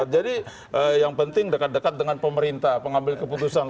jadi yang penting dekat dekat dengan pemerintah pengambil keputusan